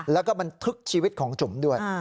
แล้วก็บันทึกชีวิตของจุ๋มด้วย